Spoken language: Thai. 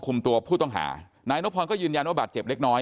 ตัวผู้ต้องหานายนพรก็ยืนยันว่าบาดเจ็บเล็กน้อย